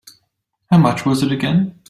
How much was it again?